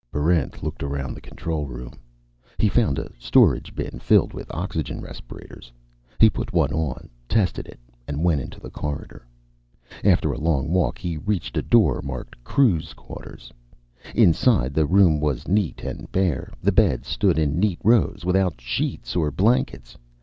Barrent looked around the control room. He found a storage bin filled with oxygen respirators. He put one on, tested it, and went into the corridor. After a long walk, he reached a door marked CREW'S QUARTERS. Inside, the room was neat and bare. The beds stood in neat rows, without sheets or blankets.